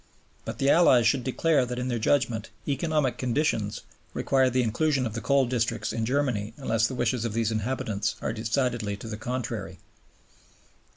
But the Allies should declare that in their judgment "economic conditions" require the inclusion of the coal districts in Germany unless the wishes of the inhabitants are decidedly to the contrary.